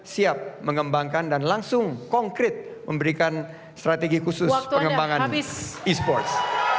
siap mengembangkan dan langsung konkret memberikan strategi khusus pengembangan e sports